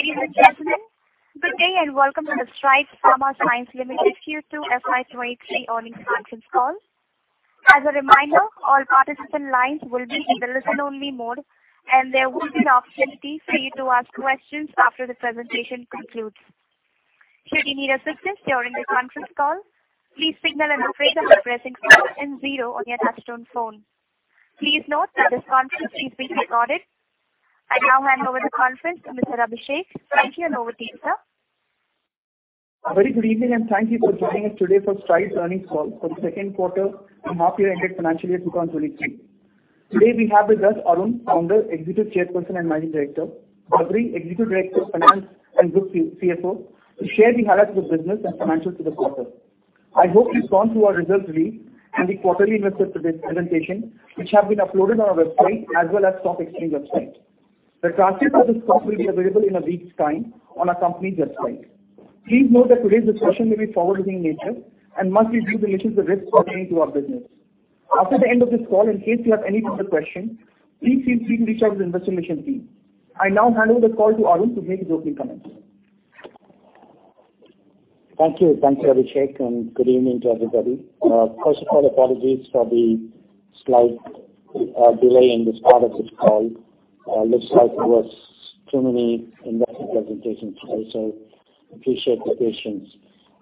Ladies and gentlemen, good day, and welcome to the Strides Pharma Science Limited Q2 FY23 earnings conference call. As a reminder, all participant lines will be in the listen-only mode, and there will be an opportunity for you to ask questions after the presentation concludes. Should you need assistance during the conference call, please signal an operator by pressing star and zero on your touchtone phone. Please note that this conference is being recorded. I now hand over the conference to Mr. Abhishek. Thank you, and over to you, sir. A very good evening, and thank you for joining us today for Strides earnings call for the second quarter and half year ended financial year 2023. Today, we have with us Arun, founder and non-executive chairperson; Badri, managing director and group CFO, to share the highlights of the business and financials for the quarter. I hope you've gone through our results release and the quarterly investor presentation, which have been uploaded on our website as well as stock exchange website. The transcript of this call will be available in a week's time on our company's website. Please note that today's discussion may be forward-looking in nature and must be viewed in relation to the risks pertaining to our business. After the end of this call, in case you have any further questions, please feel free to reach out to the investor relations team. I now hand over the call to Arun to make his opening comments. Thank you. Thanks, Abhishek, and good evening to everybody. First of all, apologies for the slight delay in the start of this call. Looks like there was too many investor presentations today, so appreciate your patience.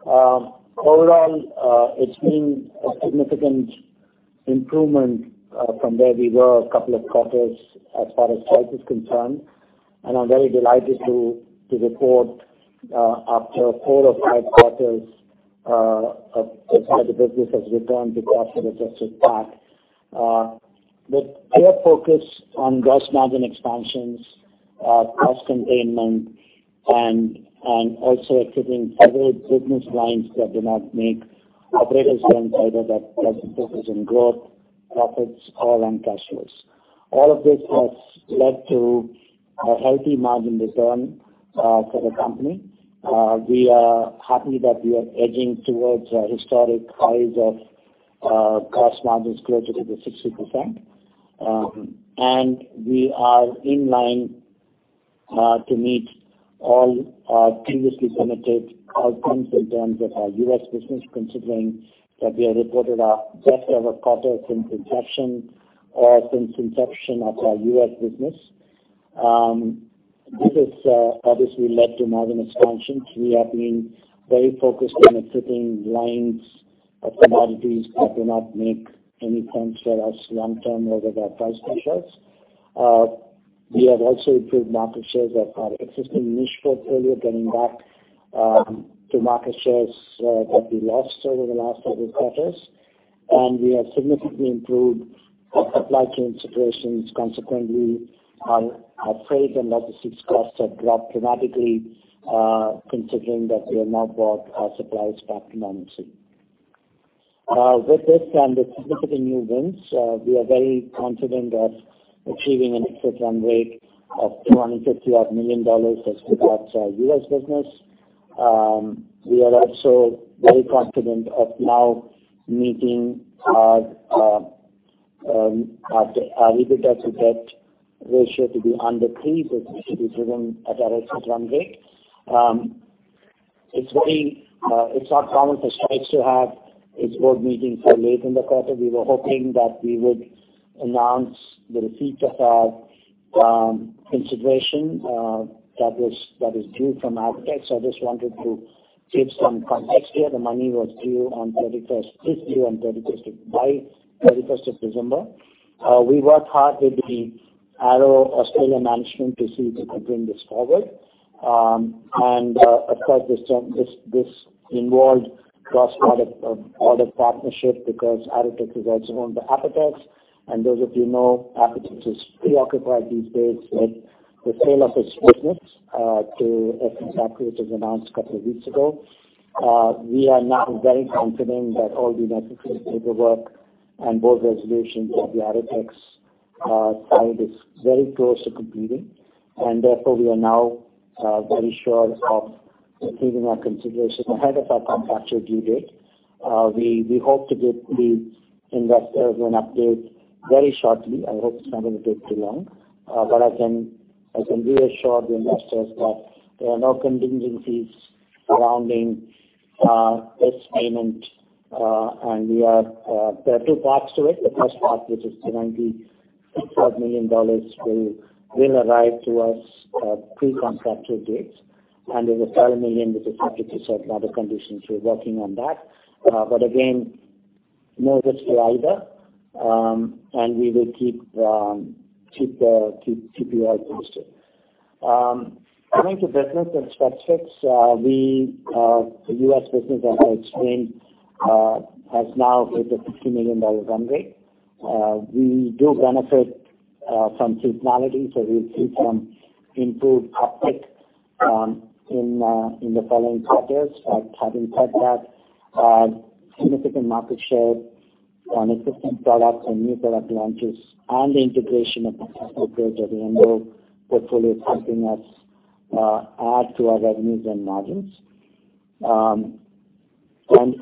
Overall, it's been a significant improvement from where we were a couple of quarters as far as Strides is concerned, and I'm very delighted to report after four or five quarters as far as the business has returned to path of adjusted path. With clear focus on gross margin expansions, cost containment and also exiting several business lines that do not make a greater sense either that has a focus on growth, profits or on cash flows. All of this has led to a healthy margin return for the company. We are happy that we are edging towards our historic highs of gross margins closer to the 60%. We are in line to meet all our previously committed outcomes in terms of our U.S. business, considering that we have reported our best ever quarter since inception of our U.S. business. This has obviously led to margin expansions. We have been very focused on exiting lines of commodities that do not make any sense for us long term or with our price pressures. We have also improved market shares of our existing niche portfolio, getting back to market shares that we lost over the last several quarters. We have significantly improved our supply chain situations. Consequently, our freight and logistics costs have dropped dramatically, considering that we have now brought our supplies back to normalcy. With this and with significant new wins, we are very confident of achieving an EBITDA run rate of $250 million as regards our U.S. business. We are also very confident of now meeting our EBITDA-to-debt ratio to be under three, which should be driven at our EBITDA run rate. It's not common for Strides to have its board meeting so late in the quarter. We were hoping that we would announce the receipt of our consideration that is due from Apotex. I just wanted to give some context here. The money was due on 31st, it's due by 31st of December. We worked hard with the Arrow Australia management to see if we could bring this forward. Of course, this involved cross-border partnership because Arrotex is also owned by Apotex. Those of you who know, Apotex is preoccupied these days with the sale of its business to SK Capital, which was announced a couple of weeks ago. We are now very confident that all the necessary paperwork and board resolutions of the Arrotex side is very close to completing, and therefore, we are now very sure of receiving our consideration ahead of our contractual due date. We hope to give the investors an update very shortly. I hope it's not gonna take too long. I can reassure the investors that there are no contingencies surrounding this payment, and there are two parts to it. The first part, which is $76 million, will arrive to us pre-contractual dates. There's a thirty million, which is subject to certain other conditions. We're working on that. Again, no risk to either. We will keep you all posted. Coming to business and specifics, the U.S. business, as I explained, has now hit a $50 million run rate. We do benefit from seasonality, so we'll see some improved uptick in the following quarters. Having said that, significant market share on existing products and new product launches and the integration of the Endo portfolio helping us add to our revenues and margins.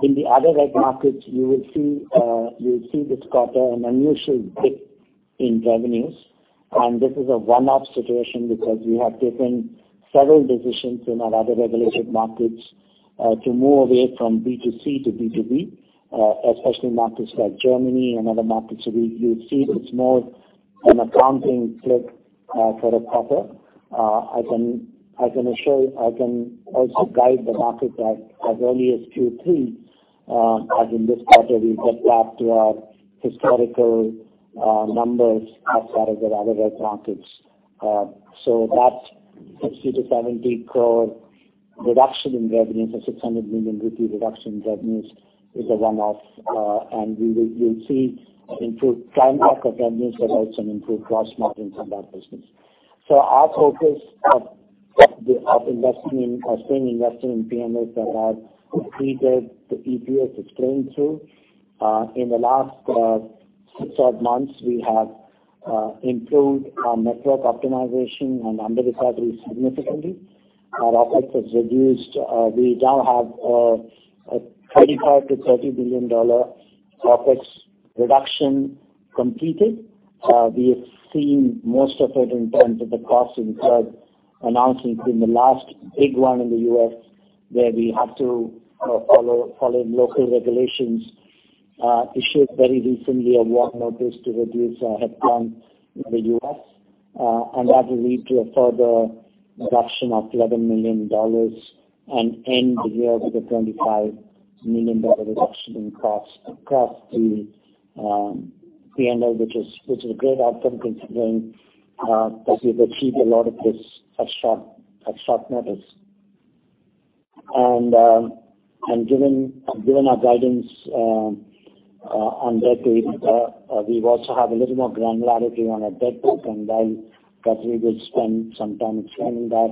In the other reg markets, you will see this quarter an unusual dip in revenues. This is a one-off situation because we have taken several decisions in our other regulated markets to move away from B2C to B2B, especially markets like Germany and other markets where you'll see it's more an accounting blip for the quarter. I can assure you, I can also guide the market that as early as Q3, as in this quarter, we get back to our historical numbers as part of the other reg markets. That 60-70 crore reduction in revenues or 600 million rupee reduction in revenues is a one-off. You'll see improved climb back of revenues but also improved gross margins in that business. Our focus of investing or staying investing in PNOs that have completed the EPS as claimed to in the last 6-odd months, we have improved our network optimization and under recovery significantly. Our OpEx has reduced. We now have a $25 billion-$30 billion OpEx reduction completed. We have seen most of it in terms of the cost we've announced, including the last big one in the U.S., where we have to follow local regulations, issued very recently a WARN notice to reduce our headcount in the U.S. That will lead to a further reduction of $11 million and end the year with a $25 million reduction in costs across the P&L, which is a great outcome considering that we've achieved a lot of this at short notice. Given our guidance on debt to EBITDA, we also have a little more granularity on our debt book, and well, Katheryn will spend some time explaining that.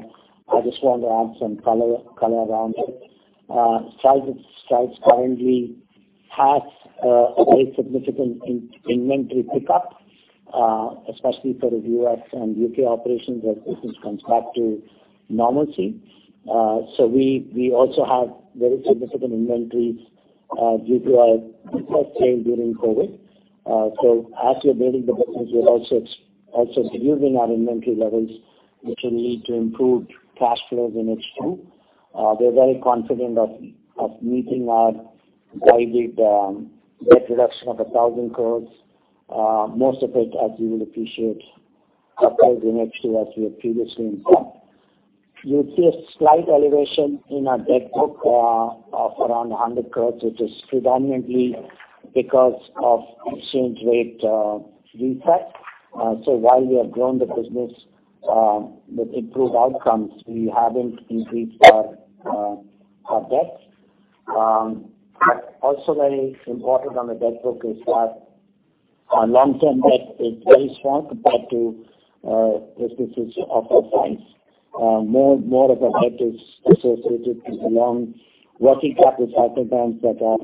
I just want to add some color around it. Strides currently has a very significant inventory pickup, especially for the U.S. and U.K. operations as business comes back to normalcy. We also have very significant inventories due to our headcount change during COVID. As we're building the business, we're also reducing our inventory levels, which will lead to improved cash flows in H2. We're very confident of meeting our guided debt reduction of 1,000 crores. Most of it, as you will appreciate, occurs in H2 as we have previously implied. You'll see a slight elevation in our debt book of around 100 crores, which is predominantly because of exchange rate reset. While we have grown the business with improved outcomes, we haven't increased our debt. Also very important on the debt book is that our long-term debt is very small compared to businesses of our size. More of our debt is associated with the long working capital cycle times that are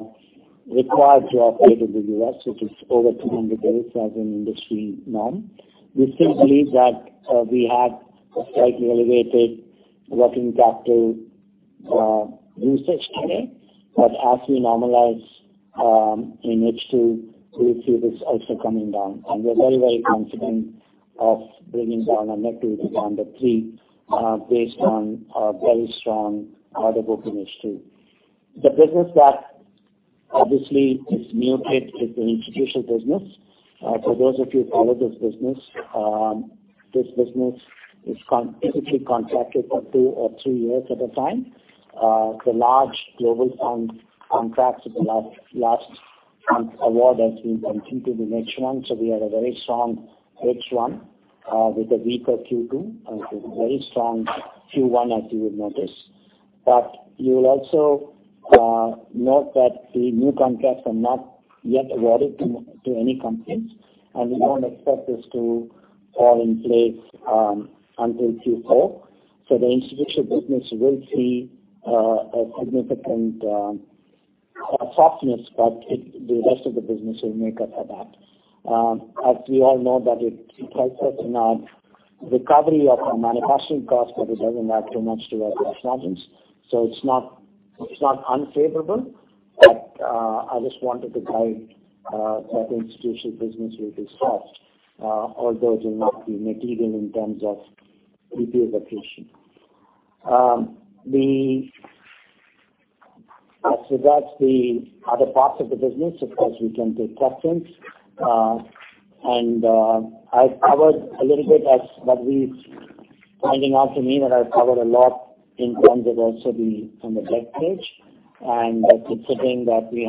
required to operate in the U.S., which is over 200 days as an industry norm. We still believe that we have a slightly elevated working capital usage today. As we normalize in H2, we'll see this also coming down. We're very confident of bringing down our net to below three based on our very strong order book in H2. The business that obviously is muted is the institutional business. For those of you who follow this business, this business is typically contracted for 2 or 3 years at a time. The large global contracts with the last award has been continued in H1. We had a very strong H1 with a weaker Q2 and with a very strong Q1, as you would notice. You'll also note that the new contracts are not yet awarded to any companies, and we don't expect this to fall in place until Q4. The institutional business will see a significant softness, but the rest of the business will make up for that. As we all know that it helps us in our recovery of our manufacturing costs, but it doesn't add too much to our gross margins. It's not unfavorable, but I just wanted to guide that institutional business will be soft, although it will not be material in terms of EPS accretion. That's the other parts of the business. Of course, we can take questions. I've covered a little bit, pointing out to me that I've covered a lot in terms of also the from the deck page. Considering that we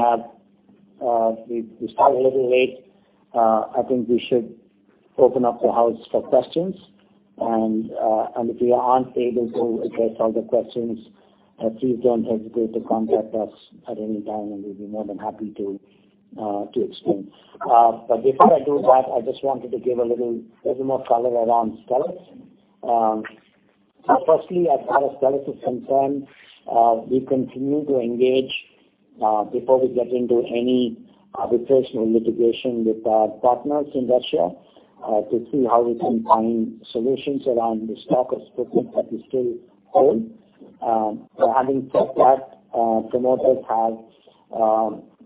started a little late, I think we should open up the house for questions. If we aren't able to address all the questions, please don't hesitate to contact us at any time, and we'd be more than happy to explain. Before I do that, I just wanted to give a little more color around Stelis. First, as far as Stelis is concerned, we continue to engage before we get into any arbitration or litigation with our partners in Russia to see how we can find solutions around the stock of Strides that we still hold. Having said that, promoters have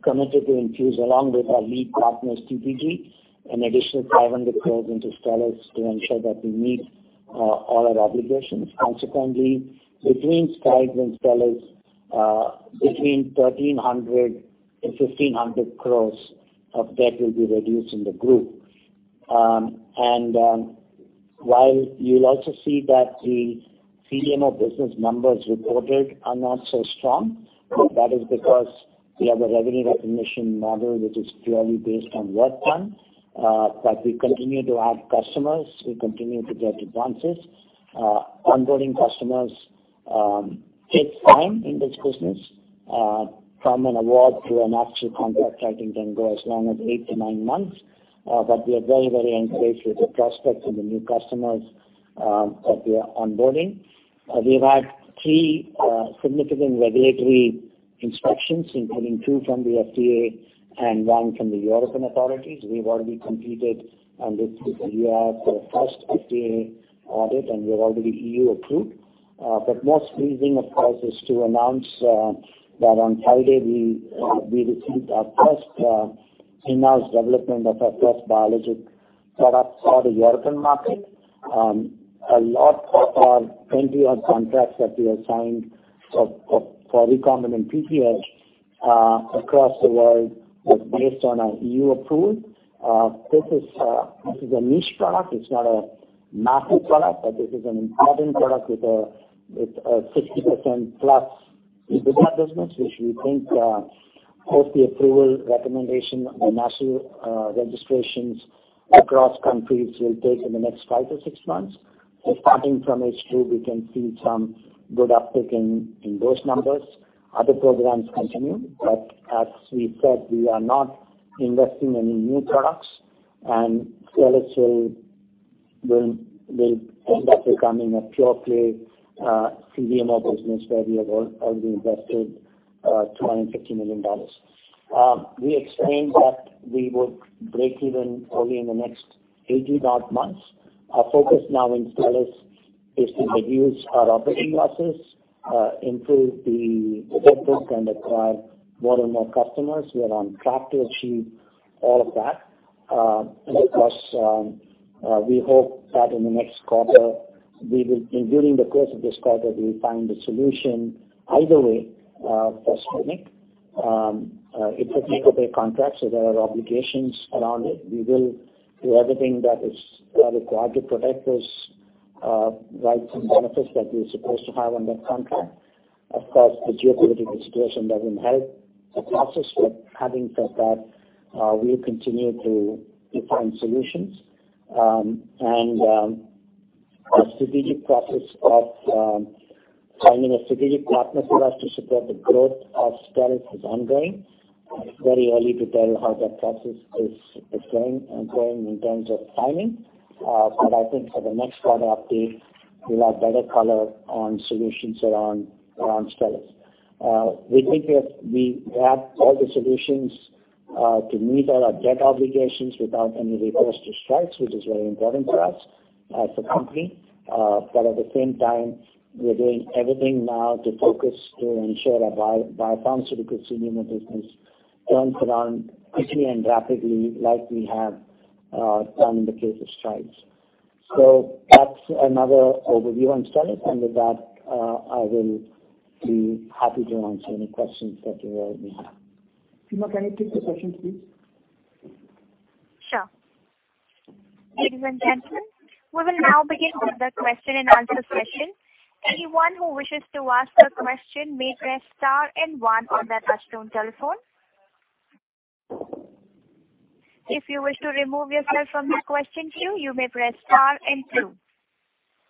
committed to infuse along with our lead partners TPG an additional 500 crore into Stelis to ensure that we meet all our obligations. Consequently, between Strides and Stelis, between 1,300 crore and 1,500 crore of debt will be reduced in the group. While you'll also see that the CDMO business numbers reported are not so strong. That is because we have a revenue recognition model which is purely based on work done. We continue to add customers, we continue to get advances. Onboarding customers takes time in this business, from an award to an actual contract, I think can go as long as 8-9 months. We are very, very encouraged with the prospects and the new customers that we are onboarding. We've had three significant regulatory inspections, including two from the FDA and one from the European authorities. We've already completed and this is a year for the first FDA audit, and we're already EU approved. Most pleasing, of course, is to announce that on Friday, we received our first in-house development of our first biologic product for the European market. A lot of our 20-odd contracts that we have signed for recombinant proteins across the world was based on our EU approval. This is a niche product. It's not a massive product, but this is an important product with a 60%+ EBITDA business, which we think post the approval recommendation, national registrations across countries will take in the next 5 or 6 months. Starting from H2, we can see some good uptick in those numbers. Other programs continue, but as we said, we are not investing any new products. Stelis will end up becoming a pure-play CDMO business where we have already invested $250 million. We explained that we would break even probably in the next 18-odd months. Our focus now in Stelis is to reduce our operating losses, improve the order book and acquire more and more customers. We are on track to achieve all of that. We hope that in the next quarter and during the course of this quarter, we will find a solution either way for Smic. It's a take-or-pay contract, so there are obligations around it. We will do everything that is required to protect those rights and benefits that we're supposed to have on that contract. Of course, the geopolitical situation doesn't help the process. Having said that, we'll continue to define solutions. Our strategic process of finding a strategic partner for us to support the growth of Stelis is ongoing. It's very early to tell how that process is going, ongoing in terms of timing. I think for the next quarter update, we'll have better color on solutions around Stelis. We have all the solutions to meet all our debt obligations without any recourse to Strides, which is very important to us as a company. At the same time, we're doing everything now to focus to ensure our biopharmaceutical CDMO business turns around quickly and rapidly like we have done in the case of Strides. That's another overview on Stelis. With that, I will be happy to answer any questions that you all may have. Seema, can you take the questions, please? Sure. Ladies and gentlemen, we will now begin with the question-and-answer session. Anyone who wishes to ask a question may press star and one on their touch-tone telephone. If you wish to remove yourself from the question queue, you may press star and two.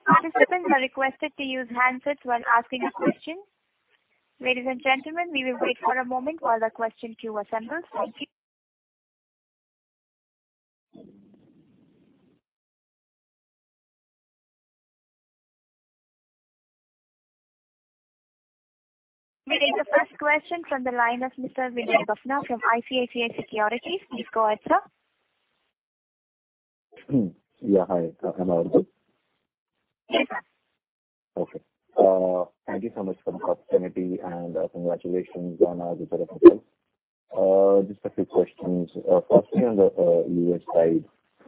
Participants are requested to use handsets while asking a question. Ladies and gentlemen, we will wait for a moment while the question queue assembles. Thank you. We have the first question from the line of Mr. Vijay Bhayana from ICICI Securities. Please go ahead, sir. Yeah. Hi. Am I audible? Yes, sir. Okay. Thank you so much for the opportunity, and congratulations on the set of results. Just a few questions. Firstly, on the U.S. side,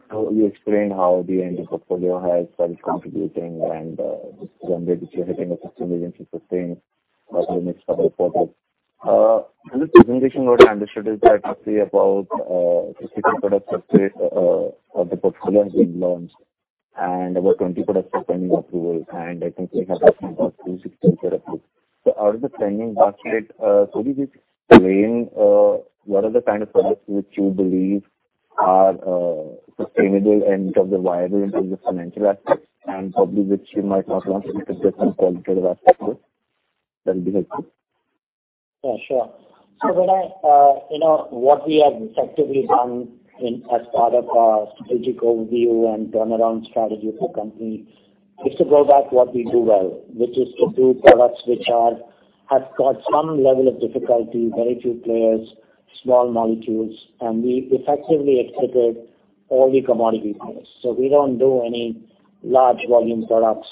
can you explain how the Endo portfolio has Strides contributing, and this is one way that you're hitting the $15 million to $150 million in the next couple of quarters. From this presentation, what I understood is that roughly about 60 products of the portfolio has been launched and about 20 products are pending approval, and I think we have about 260 therapies. Out of the pending basket, could you just explain what are the kind of products which you believe are sustainable in terms of viable in terms of financial aspects and probably which you might not want to consider from qualitative aspects? That will be helpful. Yeah, sure. You know, what we have effectively done as part of our strategic overview and turnaround strategy for the company is to go back to what we do well, which is to do products which have got some level of difficulty, very few players, small molecules, and we effectively exited all the commodity plays. We don't do any large volume products,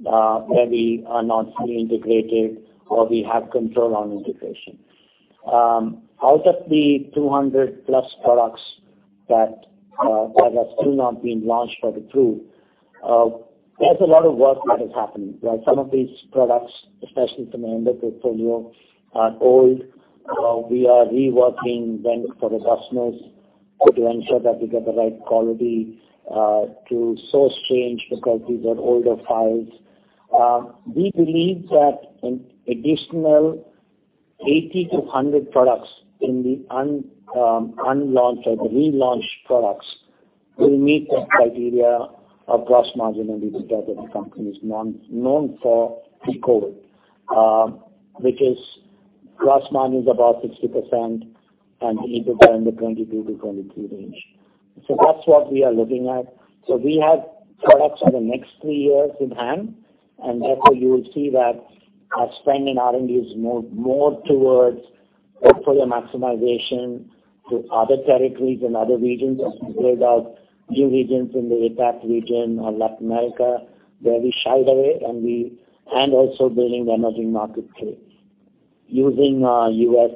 where we are not fully integrated or we have control on integration. Out of the 200+ products that have still not been launched or approved, there's a lot of work that has happened, right? Some of these products, especially from the Endo portfolio, are old. We are reworking them for the customers to ensure that we get the right quality, to source change because these are older files. We believe that an additional 80-100 products in the unlaunched or the relaunched products will meet the criteria of gross margin, and we discovered the company is known for pre-COVID, which is gross margin is about 60% and EBITDA in the 22-23 range. That's what we are looking at. We have products for the next 3 years in hand, and therefore you will see that our spend in R&D is more towards output maximization to other territories and other regions as we build out new regions in the APAC region or Latin America, where we shied away, and also building the emerging market too, using U.S.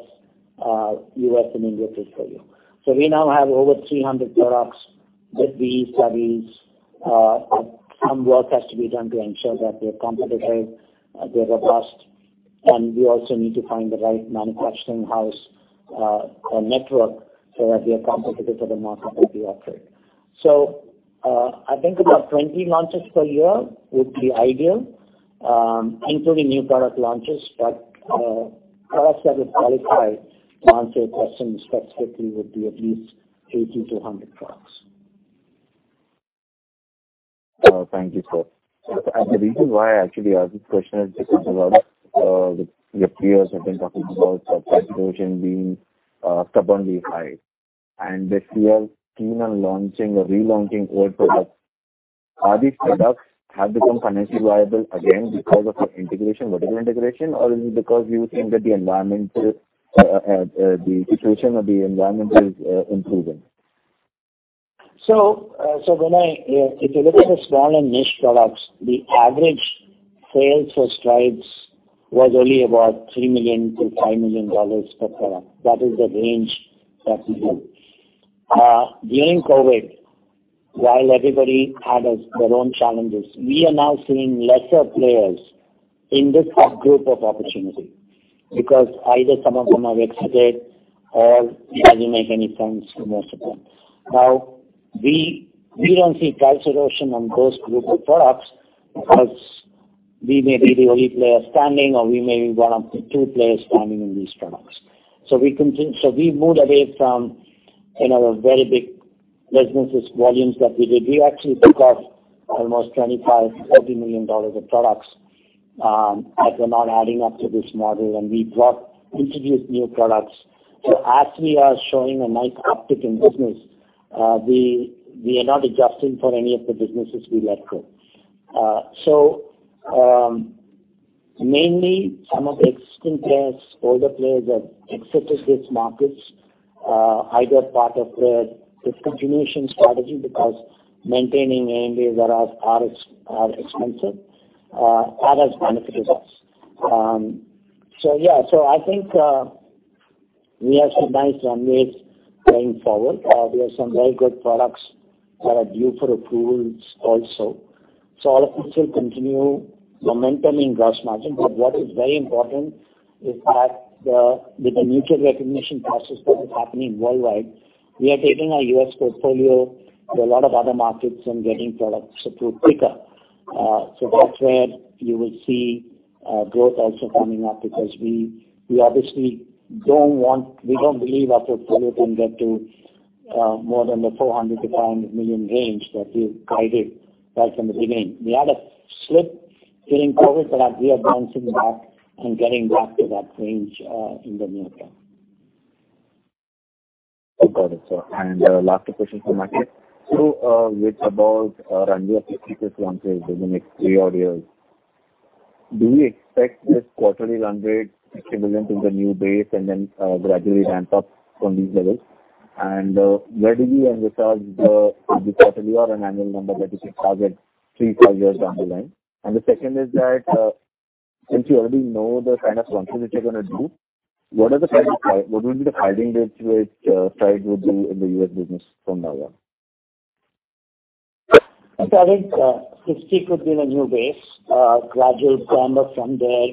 and India portfolio. We now have over 300 products with Bioequivalence studies. Some work has to be done to ensure that they're competitive, they're robust, and we also need to find the right manufacturing house, or network so that we are competitive for the market that we operate. I think about 20 launches per year would be ideal, including new product launches. Products that would qualify, to answer your question specifically, would be at least 80-100 products. Thank you, sir. The reason why I actually asked this question is because a lot of your peers have been talking about price erosion being stubbornly high. If you are keen on launching or relaunching old products, have these products become financially viable again because of your integration, vertical integration? Or is it because you think that the situation of the environment is improving? If you look at the small and niche products, the average sales for Strides was only about $3 million-$5 million per product. That is the range that we have. During COVID, while everybody had their own challenges, we are now seeing lesser players in this subgroup of opportunity because either some of them have exited or it doesn't make any sense to most of them. Now, we don't see price erosion on those group of products because we may be the only player standing or we may be one of the two players standing in these products. We moved away from, you know, very big businesses volumes that we did. We actually took off almost $25-$30 million of products, as they're not adding up to this model, and we introduced new products. As we are showing a nice uptick in business, we are not adjusting for any of the businesses we let go. Mainly some of the existing players, older players have exited these markets, either part of their risk continuation strategy because maintaining ANDAs are expensive, or has benefited us. Yeah. I think we have some nice runways going forward. We have some very good products that are due for approvals also. All of this will continue momentum in gross margin. What is very important is that with the mutual recognition process that is happening worldwide, we are taking our U.S. portfolio to a lot of other markets and getting products approved quicker. That's where you will see growth also coming up because we obviously don't believe our portfolio can get to more than the $400 million-$500 million range that we guided right from the beginning. We had a slip during COVID, but we are bouncing back and getting back to that range in the near term. Got it, sir. Last question from my side. With about around 50+ launches in the next 3 odd years, do we expect this quarterly run rate, $50 million to be the new base and then gradually ramp up from these levels? Where do we envisage the quarterly or an annual number that you should target 3, 4 years down the line? The second is that since you already know the kind of launches that you're gonna do, what will be the pricing rates which Strides would do in the US business from now on? I think 50 could be the new base, gradual ramp up from there,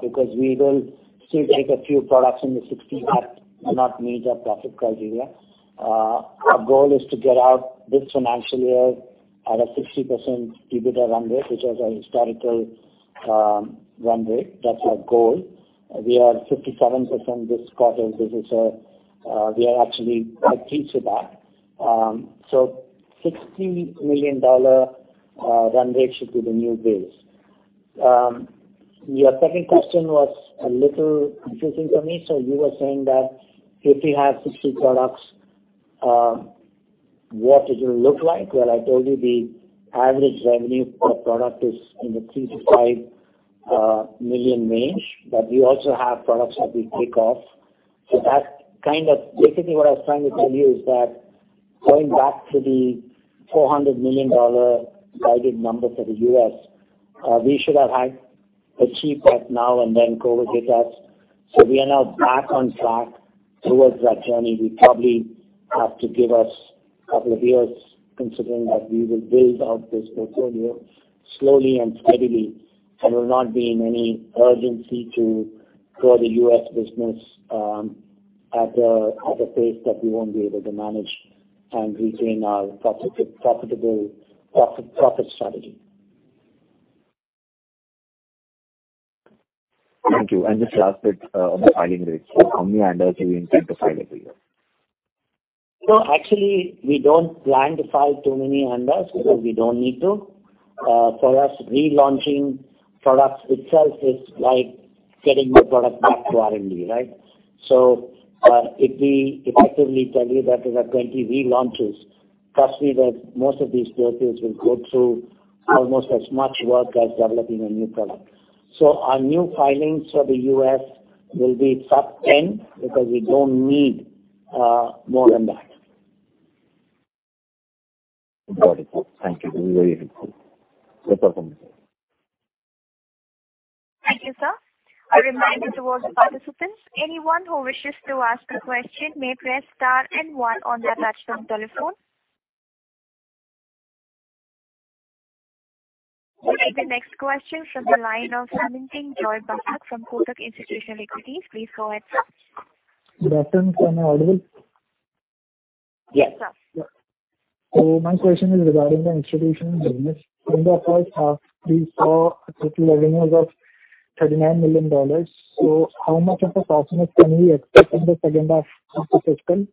because we will see like a few products in the 60 gap will not meet our profit criteria. Our goal is to get out this financial year at a 60% EBITDA run rate, which was our historical run rate. That's our goal. We are 57% this quarter. This is. We are actually quite pleased with that. $60 million run rate should be the new base. Your second question was a little confusing for me. You were saying that if we have 60 products, what does it look like? Well, I told you the average revenue per product is in the $3 million-$5 million range. But we also have products that we take off. That's kind of. Basically, what I was trying to tell you is that going back to the $400 million guided number for the U.S., we should have had achieved that now and then COVID hit us. We are now back on track towards that journey. We probably have to give us a couple of years considering that we will build out this portfolio slowly and steadily, and will not be in any urgency to grow the U.S. business, at a pace that we won't be able to manage and retain our profitable profit strategy. Thank you. Just last bit, on the filing rates. How many ANDAs do we intend to file every year? No, actually, we don't plan to file too many ANDAs because we don't need to. For us, relaunching products itself is like getting the product back to R&D, right? If we effectively tell you that there are 20 relaunches, trust me that most of these products will go through almost as much work as developing a new product. Our new filings for the U.S. will be sub 10, because we don't need more than that. Got it. Thank you. This is very helpful. Good luck on this. Thank you, sir. A reminder to all the participants, anyone who wishes to ask a question may press star and one on their touch-tone telephone. We take the next question from the line of Samit Singh, Joy Bhatt from Kotak Institutional Equities. Please go ahead, sir. Doctor, am I audible? Yes, sir. My question is regarding the institutional business. In the first half, we saw total revenues of $39 million. How much of a profit can we expect in the second half of the fiscal?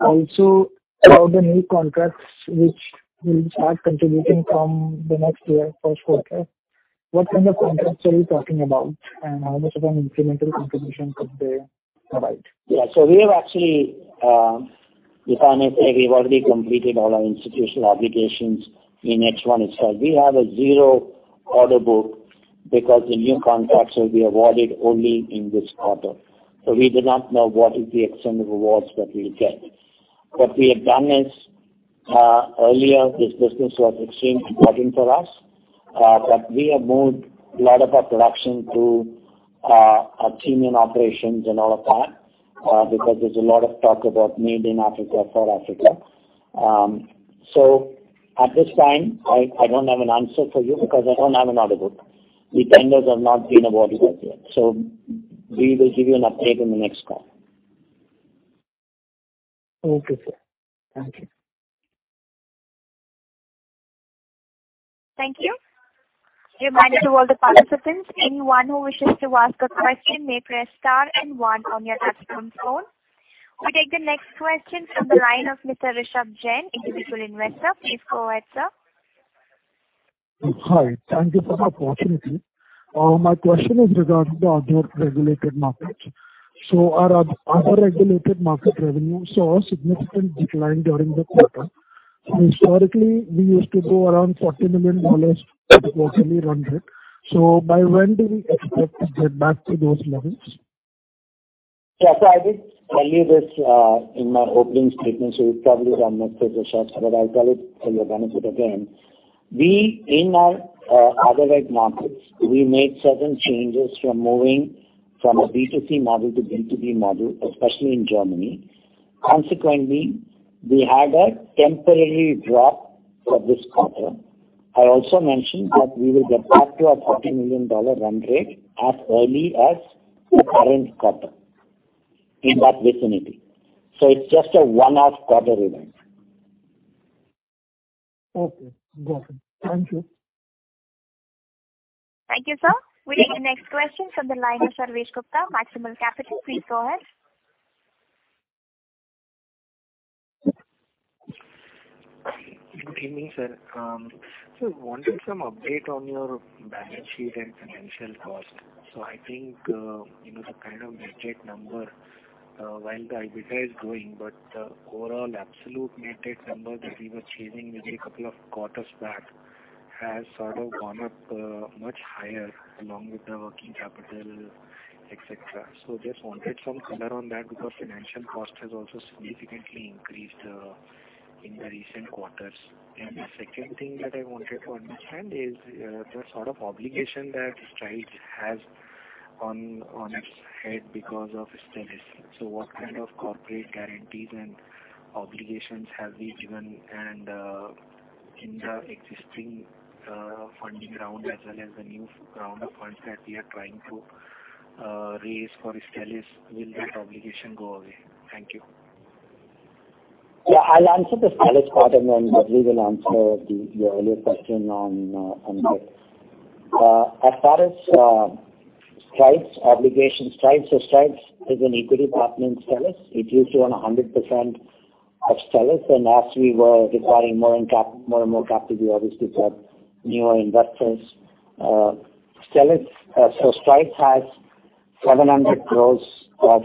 Also, about the new contracts which will start contributing from the next year, first quarter, what kind of contracts are we talking about, and how much of an incremental contribution could they provide? Yeah. We have actually, to be honest, we've already completed all our institutional obligations in H1 itself. We have a zero order book because the new contracts will be awarded only in this quarter. We do not know what is the extent of awards that we'll get. What we have done is, earlier this business was extremely important for us, but we have moved a lot of our production to our team in operations and all of that, because there's a lot of talk about made in Africa for Africa. At this time, I don't have an answer for you because I don't have an order book. The tenders have not been awarded as yet. We will give you an update in the next call. Okay, sir. Thank you. Thank you. A reminder to all the participants, anyone who wishes to ask a question may press star and one on your touch-tone phone. We take the next question from the line of Mr. Rishabh Jain, Individual Investor. Please go ahead, sir. Hi. Thank you for the opportunity. My question is regarding the other regulated markets. Our other regulated market revenue saw a significant decline during the quarter. Historically, we used to do around $40 million quarterly run rate. By when do we expect to get back to those levels? Yeah. I did tell you this, in my opening statement, so you probably have noted this, Rishabh, but I'll tell it for your benefit again. We in our, other reg markets, we made certain changes from moving from a B2C model to B2B model, especially in Germany. Consequently, we had a temporary drop for this quarter. I also mentioned that we will get back to our $40 million run rate as early as the current quarter in that vicinity. It's just a one-off quarter event. Okay. Got it. Thank you. Thank you, sir. We take the next question from the line of Sarvesh Gupta, Maximal Capital. Please go ahead. Good evening, sir. Wanted some update on your balance sheet and financial cost. I think, you know, the kind of net debt number, while the EBITDA is growing, but the overall absolute net debt number that we were chasing maybe a couple of quarters back has sort of gone up, much higher along with the working capital, et cetera. Just wanted some color on that because financial cost has also significantly increased, in the recent quarters. The second thing that I wanted to understand is, the sort of obligation that Strides has on its head because of Stelis. What kind of corporate guarantees and obligations have we given? In the existing, funding round as well as the new round of funds that we are trying to raise for Stelis, will that obligation go away? Thank you. Yeah. I'll answer the Stelis part, and then Dudley will answer your earlier question on this. As far as Strides' obligation. Strides is an equity partner in Stelis. It used to own 100% of Stelis. As we were requiring more and more capital, we obviously got newer investors. Stelis, so Strides has 700 crores of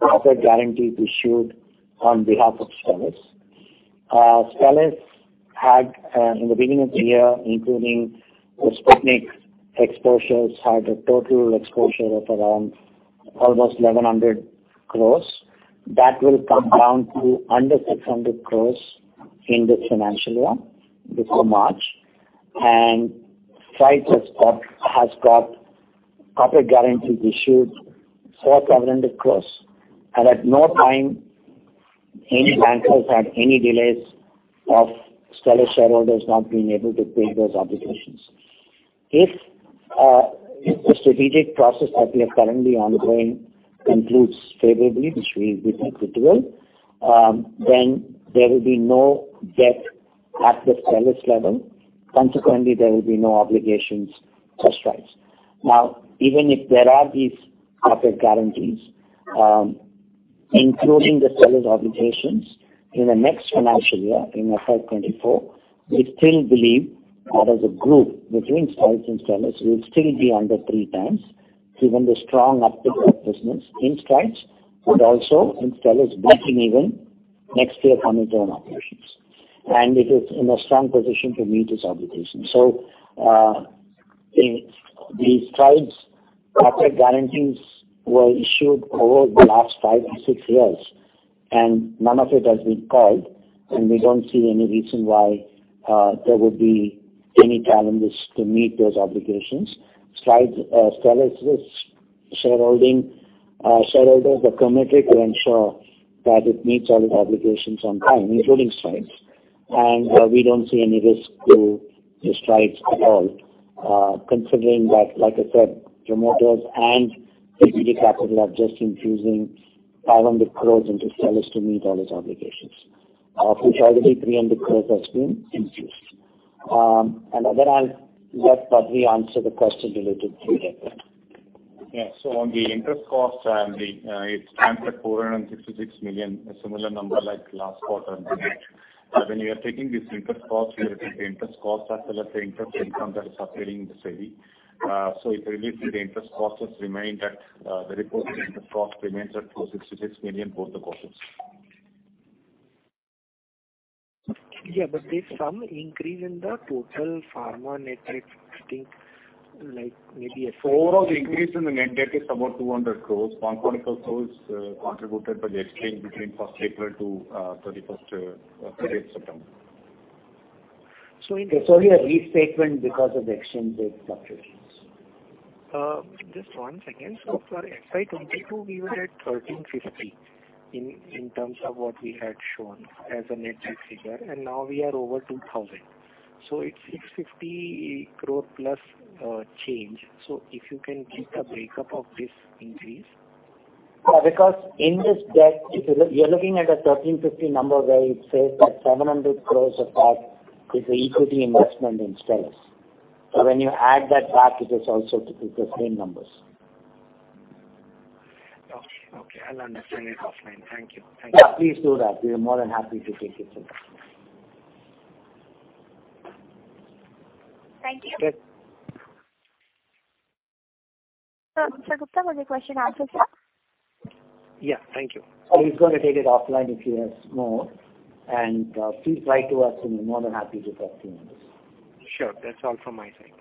corporate guarantee to Stelis on behalf of Stelis. Stelis had, in the beginning of the year, including the Sputnik exposures, a total exposure of around almost 1,100 crores. That will come down to under 600 crores in this financial year before March. Strides has corporate guarantees issued for INR 700 crores. At no time any bankers had any delays of Stelis shareholders not being able to pay those obligations. If the strategic process that we have currently ongoing concludes favorably, which we think it will, then there will be no debt at the Stelis level. Consequently, there will be no obligations to Strides. Now, even if there are these corporate guarantees, including the Stelis obligations in the next financial year, in FY 2024, we still believe that as a group between Strides and Stelis, we'll still be under three times, given the strong uptake of business in Strides, but also in Stelis breaking even next year coming to our operations. It is in a strong position to meet its obligations. The Strides corporate guarantees were issued over the last five or six years, and none of it has been called, and we don't see any reason why there would be any challenges to meet those obligations. Strides, Stelis shareholders are committed to ensure that it meets all its obligations on time, including Strides. We don't see any risk to the Strides at all, considering that, like I said, promoters and TPG Capital are just infusing 500 crore into Stelis to meet all its obligations. Of which already 300 crore has been infused. I'll let Badree answer the question related to the debt. Yeah. On the interest costs and the, it's transferred 456 million, a similar number like last quarter. When we are taking this interest cost, we are taking the interest cost as well as the interest income that is occurring in the same. If you look at the interest cost has remained at, the reported interest cost remains at INR 466 million both the quarters. Yeah, there's some increase in the total pharma net debt, I think, like maybe. Overall, the increase in the net debt is about 200 crore. 1.5 crore contributed by the exchange between first April to thirtieth September. So in- It's only a restatement because of the exchange rate fluctuations. Just one second. For FY 2022, we were at 1,350 crore in terms of what we had shown as a net debt figure, and now we are over 2,000 crore. It's 650 crore plus change. If you can give the breakup of this increase. Yeah, because in this debt, if you look—you're looking at a 1,350 number where it says that 700 crore of that is the equity investment in Stelis. When you add that back, it is also to the same numbers. Okay. I'll understand it offline. Thank you. Yeah, please do that. We are more than happy to take it further. Thank you. Yes. Mr. Gupta, was your question answered, sir? Yeah, thank you. He's gonna take it offline if he has more. Please write to us and we're more than happy to discuss the numbers. Sure. That's all from my side.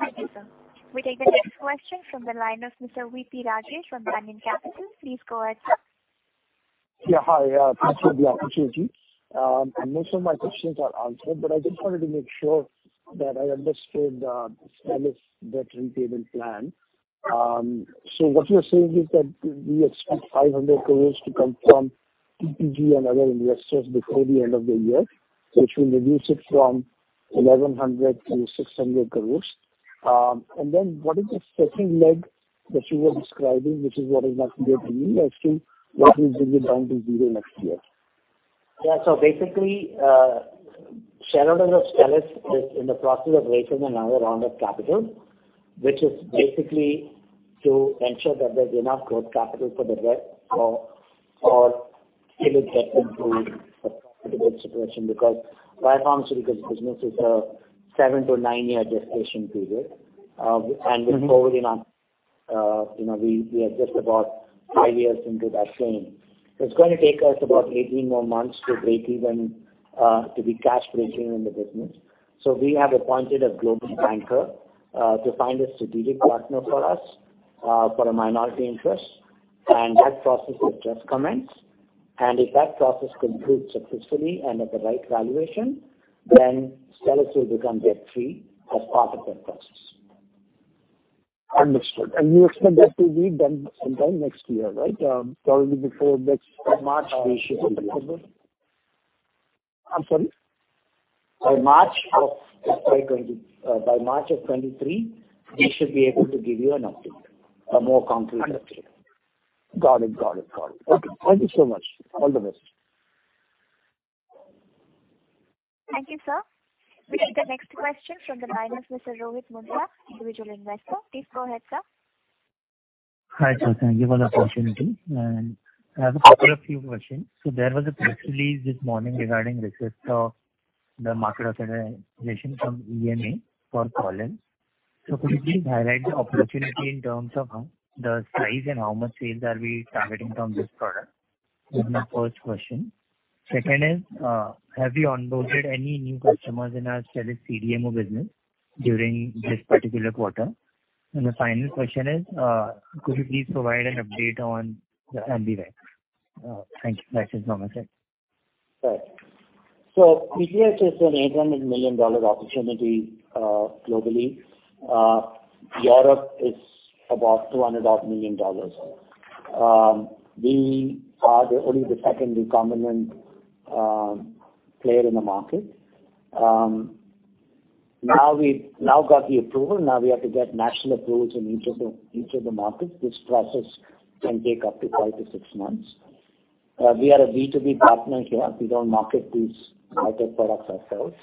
Thank you, sir. We take the next question from the line of Mr. V.P. Rajesh from Banyan Capital Advisors. Please go ahead, sir. Yeah, hi. Thanks for the opportunity. Most of my questions are answered, but I just wanted to make sure that I understood Stelis' debt repayment plan. What you're saying is that we expect 500 crores to come from TPG and other investors before the end of the year, which will reduce it from 1,100 crores to 600 crores. What is the second leg that you were describing, which is what is not yet released to what will bring it down to zero next year? Yeah. Basically, shareholders of Stelis is in the process of raising another round of capital, which is basically to ensure that there's enough growth capital for the debt or till it gets into a profitable situation. Because biopharmaceutical business is a 7-9-year gestation period. We're probably not, you know, we are just about 5 years into that journey. It's gonna take us about 18 more months to break even, to be cash break-even in the business. We have appointed a global banker to find a strategic partner for us for a minority interest. That process has just commenced. If that process concludes successfully and at the right valuation, then Stelis will become debt-free as part of that process. Understood. You expect that to be done sometime next year, right? By March, we should be able. I'm sorry. By March of 2023, we should be able to give you an update, a more concrete update. Understood. Got it. Okay. Thank you so much. All the best. Thank you, sir. We take the next question from the line of Mr. Rohit Munjal, Individual Investor. Please go ahead, sir. Hi, sir. Thank you for the opportunity. I have a couple of few questions. There was a press release this morning regarding request of the market authorization from EMA for Kauliv. Could you please highlight the opportunity in terms of, the size and how much sales are we targeting from this product? This is my first question. Second is, have you onboarded any new customers in our Stelis CDMO business during this particular quarter? And the final question is, could you please provide an update on the AmbiVax-C? Thank you. That is all, my side. Right. ECS is an $800 million opportunity globally. Europe is about $200-odd million. We are only the second recombinant player in the market. Now got the approval, now we have to get national approvals in each of the markets. This process can take up to 5-6 months. We are a B2B partner here. We don't market these biotech products ourselves.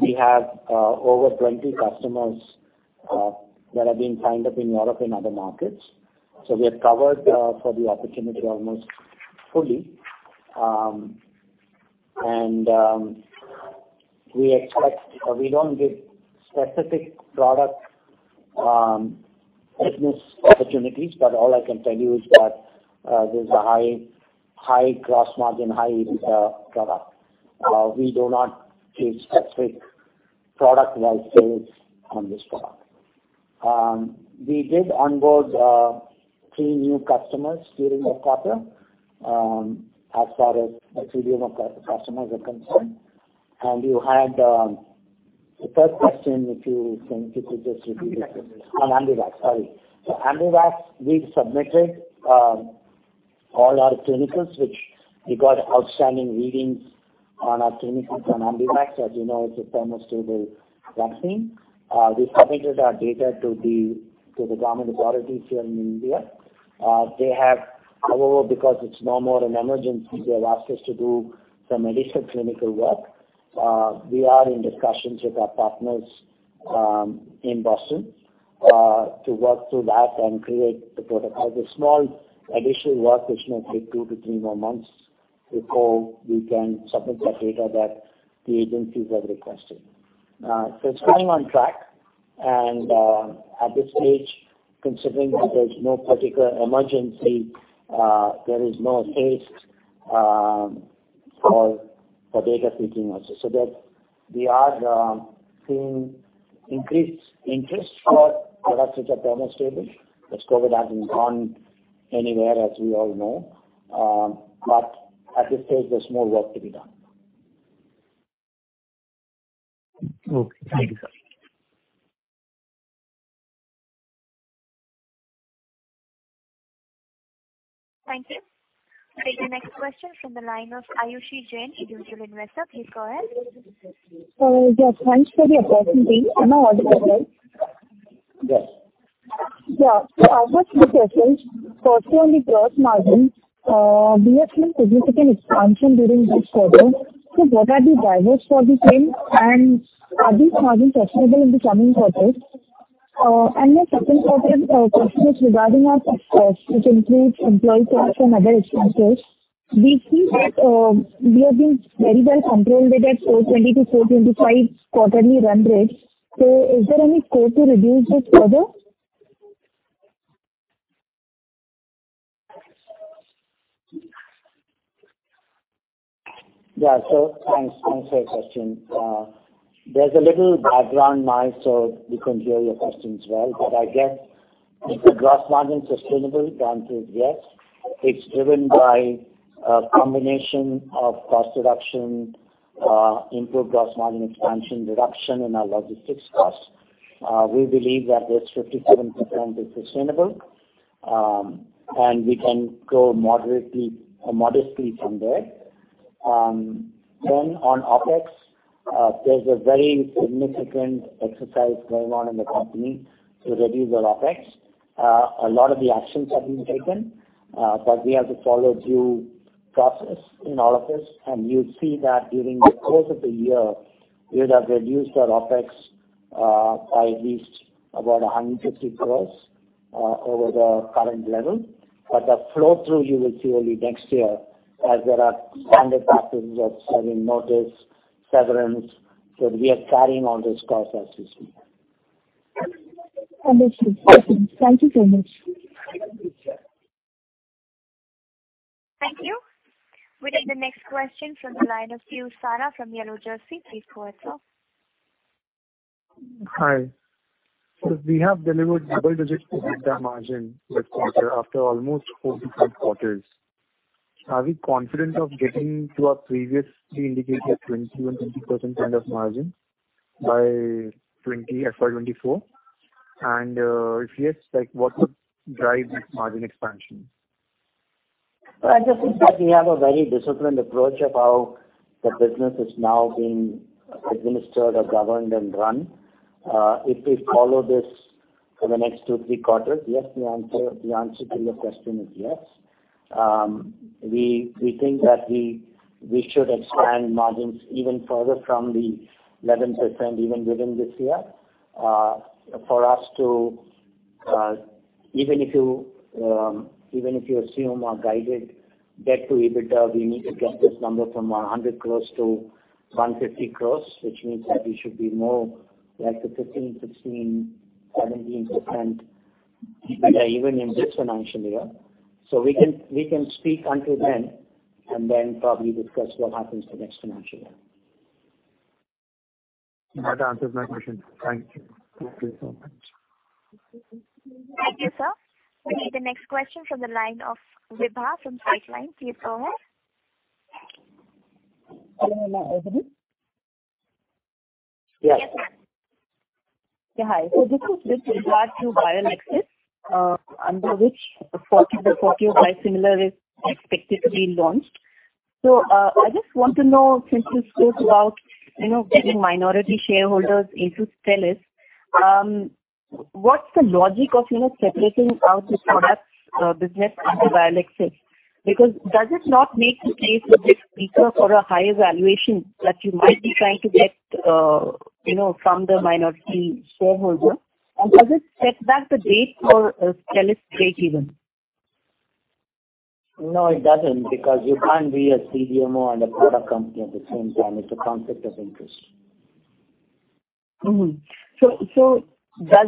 We have over 20 customers that have been signed up in Europe and other markets. We're covered for the opportunity almost fully. We don't give specific product business opportunities, but all I can tell you is that there's a high gross margin, high EPS product. We do not give specific product-wide sales on this product. We did onboard three new customers during the quarter, as far as the CDMO customers are concerned. You had the third question, if you could just repeat it. AmbiVax-C. On AmbiVax-C. Sorry. AmbiVax-C, we've submitted all our clinicals, which we got outstanding readings on our clinicals on AmbiVax-C. As you know, it's a thermostable vaccine. We submitted our data to the government authorities here in India. They have, however, because it's no more an emergency, they have asked us to do some additional clinical work. We are in discussions with our partners in Boston to work through that and create the protocol. The small additional work, which may take 2-3 more months before we can submit that data that the agencies have requested. It's going on track. At this stage, considering that there's no particular emergency, there is no haste for data seeking also. We are seeing increased interest for products which are thermostable, as COVID hasn't gone anywhere, as we all know. At this stage, there's more work to be done. Okay. Thank you, sir. Thank you. We take the next question from the line of Ayushi Jain, individual investor. Please go ahead. Yes. Thanks for the opportunity. I'm audible, right? Yes. Yeah. I've got two questions. First one, the gross margin. We have seen significant expansion during this quarter. What are the drivers for the same, and are these margins sustainable in the coming quarters? My second question is regarding our OpEx, which includes employee costs and other expenses. We see that we have been very well controlled with that 420-425 quarterly run rate. Is there any scope to reduce this further? Yeah. Thanks. Thanks for your question. There's a little background noise, so we couldn't hear your questions well. I get, is the gross margin sustainable? The answer is yes. It's driven by a combination of cost reduction, improved gross margin expansion, reduction in our logistics costs. We believe that this 57% is sustainable, and we can grow moderately, modestly from there. On OpEx, there's a very significant exercise going on in the company to reduce our OpEx. A lot of the actions have been taken, but we have to follow due process in all of this. You'll see that during the course of the year, we would have reduced our OpEx by at least about 150 crores over the current level. The flow through you will see only next year, as there are standard practices of serving notice, severance. We are carrying on this cost as you see. Understood. Thank you. Thank you so much. Sure. Thank you. We take the next question from the line of Piyush Rana from Yellow Jersey. Please go ahead, sir. Hi. We have delivered double-digit EBITDA margin this quarter after almost 4-5 quarters. Are we confident of getting to our previously indicated 21-20% kind of margin by FY 2024? If yes, like, what would drive this margin expansion? Well, I just think that we have a very disciplined approach of how the business is now being administered or governed and run. If we follow this for the next 2-3 quarters, yes, the answer to your question is yes. We think that we should expand margins even further from the 11% even within this year, for us to even if you assume our guided debt to EBITDA, we need to get this number from 100 crore to 150 crore, which means that we should be more like the 15%-17% EBITDA even in this financial year. We can speak until then and then probably discuss what happens the next financial year. That answers my question. Thank you. Okay. No problem. Thank you, sir. We'll take the next question from the line of Vibha from Citeline. Please go ahead. Hello. Am I audible? Yes. Yeah, hi. This is with regard to BioXcel Therapeutics, under which the 40 by 40 of biosimilar is expected to be launched. I just want to know, since this goes about, you know, getting minority shareholders into Stelis, what's the logic of, you know, separating out this products business under BioXcel Therapeutics? Because does it not make the case a bit weaker for a higher valuation that you might be trying to get, you know, from the minority shareholder? Does it set back the date for Stelis breakeven? No, it doesn't because you can't be a CDMO and a product company at the same time. It's a conflict of interest. Does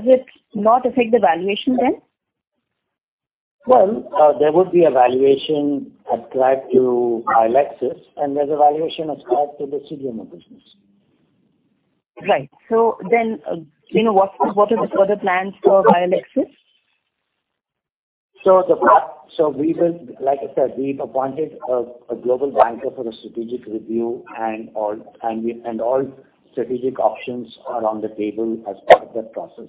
it not affect the valuation then? Well, there would be a valuation ascribed to BioXcel, and there's a valuation ascribed to the CDMO business. Right. You know, what is the further plans for BioXcel? Like I said, we've appointed a global banker for a strategic review and all, and all strategic options are on the table as part of that process.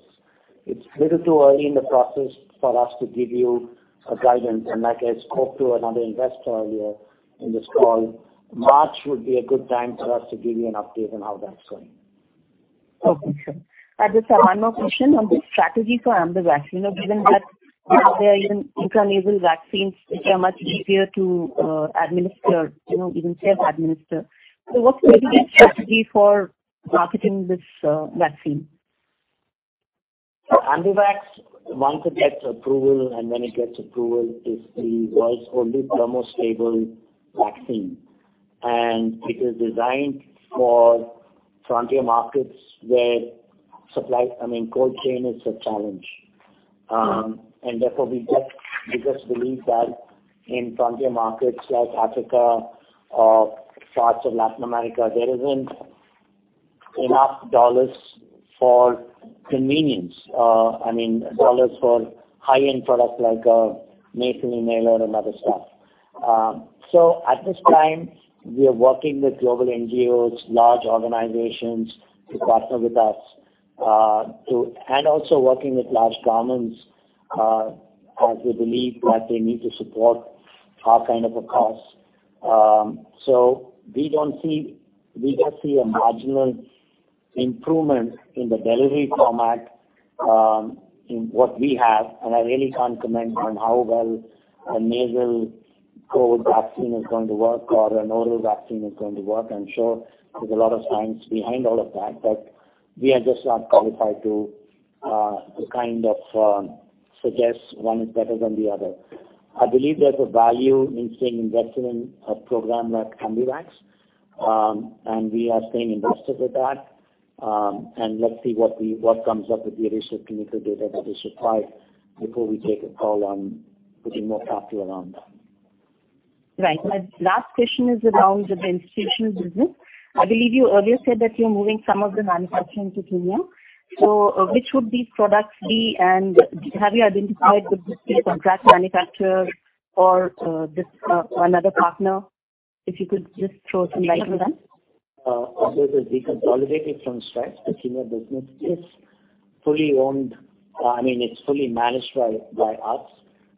It's a little too early in the process for us to give you a guidance. Like I spoke to another investor earlier in this call, March would be a good time for us to give you an update on how that's going. Okay, sure. Just one more question on the strategy for AmbiVax-C. You know, given that there are even intranasal vaccines which are much easier to administer, you know, even self-administer. What would be the strategy for marketing this vaccine? AmbiVax-C, once it gets approval, and when it gets approval, is the world's only thermostable vaccine. It is designed for frontier markets where supply, I mean, cold chain is a challenge. Therefore we just believe that in frontier markets like Africa or parts of Latin America, there isn't enough dollars for convenience, I mean, dollars for high-end products like a nasal spray and other stuff. At this time we are working with global NGOs, large organizations to partner with us, and also working with large governments, as we believe that they need to support our kind of a cause. We don't see... We just see a marginal improvement in the delivery format, in what we have, and I really can't comment on how well a nasal cold vaccine is going to work or an oral vaccine is going to work. I'm sure there's a lot of science behind all of that, but we are just not qualified to to kind of suggest one is better than the other. I believe there's a value in staying invested in a program like AmbiVax. We are staying invested with that. Let's see what comes up with the additional clinical data that is supplied before we take a call on putting more capital around that. Right. My last question is around the institutional business. I believe you earlier said that you're moving some of the manufacturing to Kenya. Which would these products be, and have you identified the specific contract manufacturer or another partner? If you could just throw some light on that. Although it is deconsolidated from Strides, the Kenya business is fully owned, I mean, it's fully managed by us.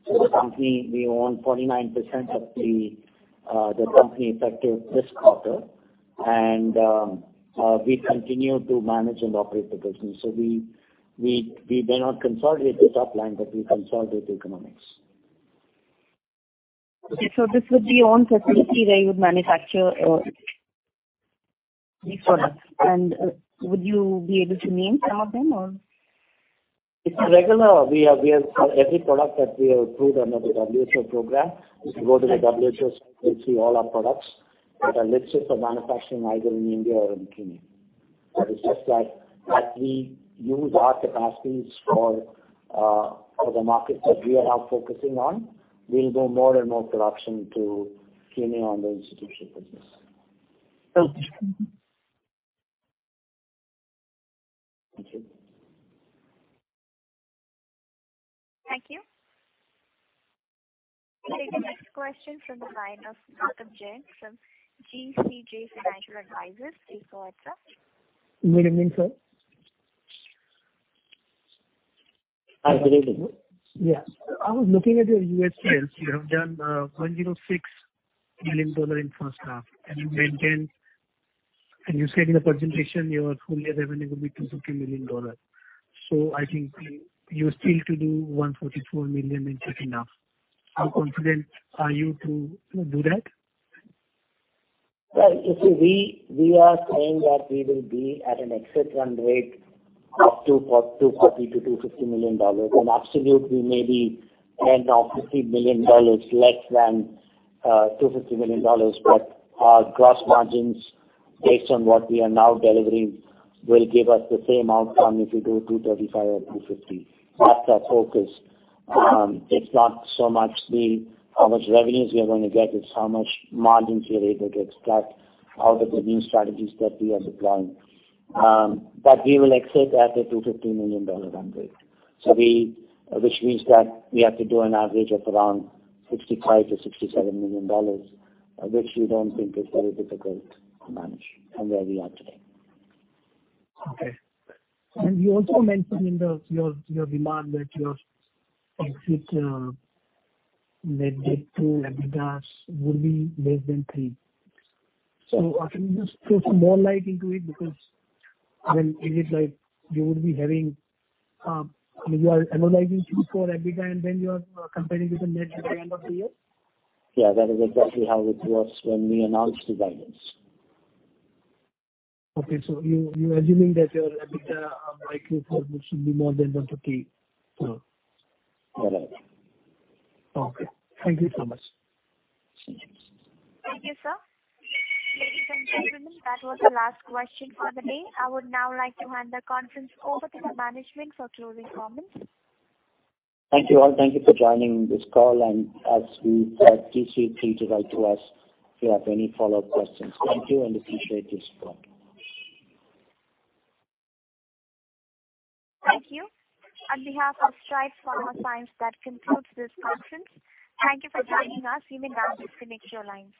The company, we own 49 percent of the company effective this quarter. We continue to manage and operate the business. We may not consolidate the top line, but we consolidate the economics. Okay. This would be own facility where you would manufacture these products. Would you be able to name some of them or? It's a regular. We have every product that we have approved under the WHO program. If you go to the WHO site, you'll see all our products that are listed for manufacturing either in India or in Kenya. It's just that we use our capacities for the markets that we are now focusing on. We'll do more and more production to Kenya on the institutional business. Okay. Thank you. Thank you. We'll take the next question from the line of Gautam Jain from GCJ Financial Advisors. Please go ahead, sir. Good evening, sir. Afternoon. Yeah. I was looking at your U.S. business. You have done $106 million in first half, and you said in the presentation your full year revenue will be $250 million. I think you're still to do $144 million in the second half. How confident are you to do that? You see, we are saying that we will be at an exit run rate of $250-$250 million. In absolute, we may be 10 or 15 million dollars less than $250 million. Our gross margins based on what we are now delivering will give us the same outcome if we do $235 or $250. That's our focus. It's not so much how much revenues we are gonna get. It's how much margins we are able to extract out of the new strategies that we are deploying. We will exit at a $250 million run rate. Which means that we have to do an average of around $65-$67 million, which we don't think is very difficult to manage from where we are today. Okay. You also mentioned your demand that your exit net debt to EBITDA would be less than 3. Can you just throw some more light into it? Because then is it like you are annualizing Q4 EBITDA, and then you are comparing it with the net debt at the end of the year? Yeah, that is exactly how it works when we announce the guidance. Okay. You're assuming that your EBITDA margin should be more than 1%-3%? Whatever. Okay, thank you so much. Thank you. Thank you, sir. Ladies and gentlemen, that was the last question for the day. I would now like to hand the conference over to the management for closing comments. Thank you, all. Thank you for joining this call, and as we said please feel free to write to us if you have any follow-up questions. Thank you and appreciate your support. Thank you. On behalf of Strides Pharma Science, that concludes this conference. Thank you for joining us. You may now disconnect your lines.